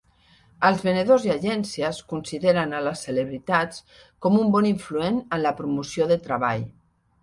Els venedors i agències consideren a les celebritats com un bon influent en la promoció de treball.